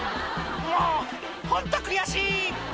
もうホント悔しい！」